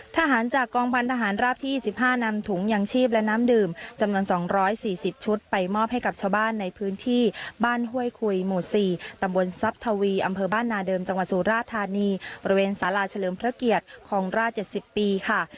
ทหารจากกองพันธหารราบที่๑๕นำถุงยางชีพและน้ำดื่มจำนวน๒๔๐ชุดไปมอบให้กับชาวบ้านในพื้นที่บ้านห้วยคุยหมู่๔ตำบลทรัพย์ทวีอำเภอบ้านนาเดิมจังหวัดสุราธานีบริเวณสาราเฉลิมพระเกียรติคลองราช๗๐ปีค่ะ